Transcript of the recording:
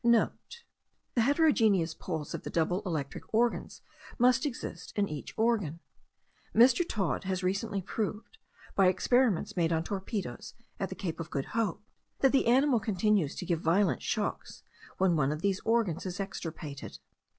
*(* The heterogeneous poles of the double electrical organs must exist in each organ. Mr. Todd has recently proved, by experiments made on torpedos at the Cape of Good Hope, that the animal continues to give violent shocks when one of these organs is extirpated.